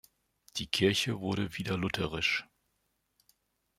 Die Kirche wurde wieder lutherisch.